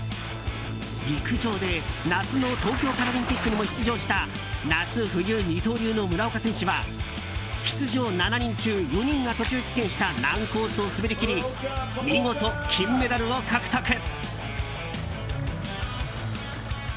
陸上で夏の東京パラリンピックにも出場した夏冬二刀流の村岡選手は出場７人中４人が途中棄権した難コースを滑り切り見事、金メダルを獲得。